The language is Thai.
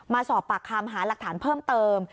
มาสอบปากคำหาหลักฐานเพิ่มเติม